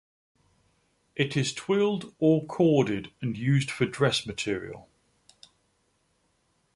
It is twilled or corded and used for dress-material.